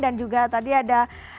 dan juga tadi ada